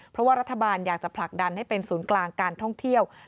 เพราะว่ารัฐบาลอยากจะผลักดันให้เป็นศูนย์กลางการท่องเที่ยว